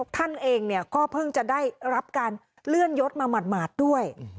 ท่านเองก็เพิ่งจะได้รับการเลื่อนยศมาหมาดด้วย